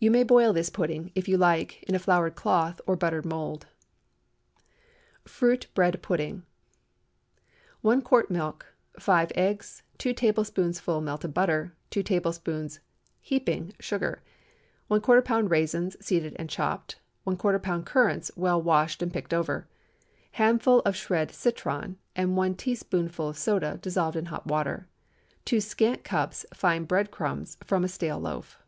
You may boil this pudding, if you like, in a floured cloth or buttered mould. FRUIT BREAD PUDDING. ✠ 1 quart milk. 5 eggs. 2 tablespoonfuls melted butter. 2 tablespoonfuls (heaping) sugar. ¼ lb. raisins, seeded and chopped. ¼ lb. currants, well washed and picked over. Handful of shred citron, and 1 teaspoonful soda, dissolved in hot water. 2 scant cups fine bread crumbs, from a stale loaf.